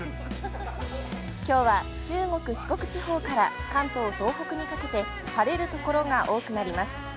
きょうは、中国四国地方から関東東北にかけて、晴れるところが多くなります。